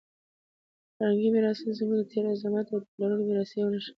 فرهنګي میراثونه زموږ د تېر عظمت او د پلرونو د مېړانې یوه نښه ده.